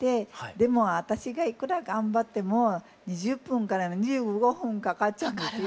でも私がいくら頑張っても２０２５分かかっちゃうんですよ。